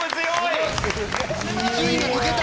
伊集院が抜けた。